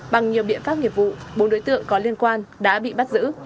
bằng nhiều biện pháp nghiệp vụ bốn đối tượng có liên quan đã bị bắt giữ